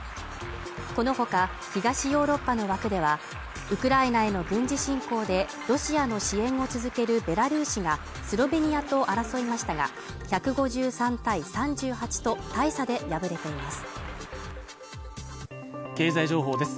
このほか、東ヨーロッパの枠ではウクライナへの軍事侵攻でロシアの支援を続けるベラルーシがスロベニアと争いましたが、１５３対３８と大差で敗れています。